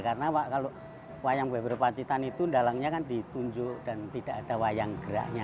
karena kalau wayang beber pacitan itu dalangnya kan ditunjuk dan tidak ada wayang geraknya